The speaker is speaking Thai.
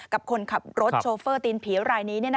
กับคนขับรถโชเฟอร์ตีนผิวรายนี้